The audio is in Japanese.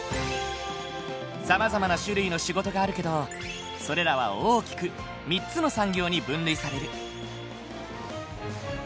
さまざまな種類の仕事があるけどそれらは大きく３つの産業に分類される。